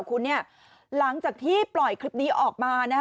คุณเนี่ยหลังจากที่ปล่อยคลิปนี้ออกมานะฮะ